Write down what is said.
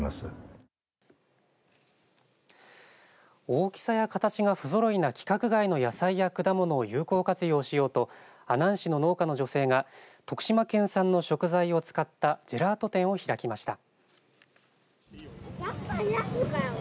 大きさや形がふぞろいな規格外の野菜や果物を有効に活用しようと阿南市の農家の女性が徳島県産の食材を使ったジェラート店を開きました。